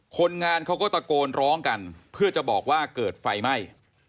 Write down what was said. คนงานเขาก็ตะโกนร้องกันเพื่อจะบอกว่าเกิดไฟไหม้